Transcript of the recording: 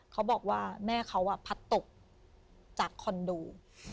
เขาบอกว่าแม่เขาพัดตกจากคอนโด